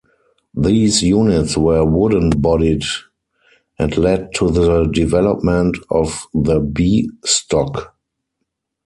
These units were wooden-bodied and led to the development of the B Stock.